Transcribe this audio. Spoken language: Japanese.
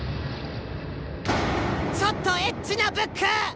ちょっとエッチなブック！